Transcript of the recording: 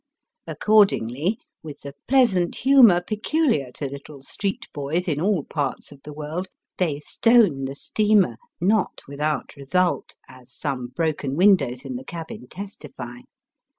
Accordingly, with the pleasant humour peculiar to little street boys in all parts of the world, they stone the steamer, not without result, as some broken windows in the cabin testify.